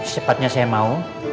cepatnya saya mau